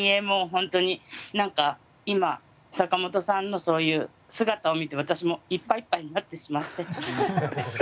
もう本当に何か今坂本さんのそういう姿を見て私もいっぱいいっぱいになってしまって。